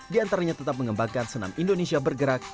diantaranya tetap mengembangkan senam indonesia bergerak